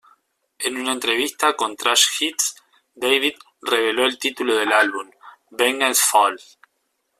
En una entrevista con Thrash Hits, David reveló el título del álbum, Vengeance Falls.